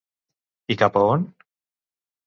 I cap a on?